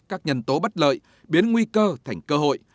các nhân tố bất lợi biến nguy cơ thành cơ hội